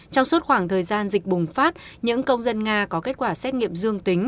trong suốt khoảng thời gian dịch bùng phát những công dân nga có kết quả xét nghiệm dương tính